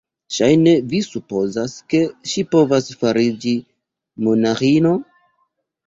Ŝajne vi supozas, ke ŝi povas fariĝi monaĥino?